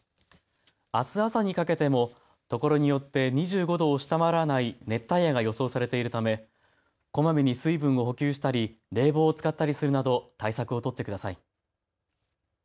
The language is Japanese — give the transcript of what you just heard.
あす朝にかけてもところによって２５度を下回らない熱帯夜が予想されているためこまめに水分を補給したり冷房を使ったりするなど対策を取ってください。